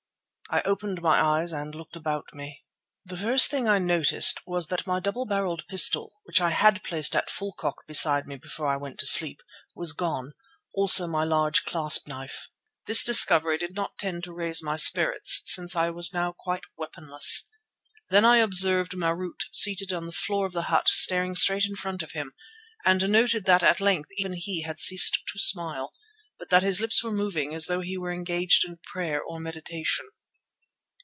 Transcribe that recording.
I opened my eyes and looked about me. The first thing I noticed was that my double barrelled pistol, which I had placed at full cock beside me before I went to sleep, was gone, also my large clasp knife. This discovery did not tend to raise my spirits, since I was now quite weaponless. Then I observed Marût seated on the floor of the hut staring straight in front of him, and noted that at length even he had ceased to smile, but that his lips were moving as though he were engaged in prayer or meditation.